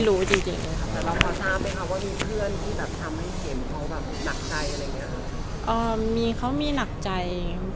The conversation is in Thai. อเรนนี่มีเขามีหนักใจ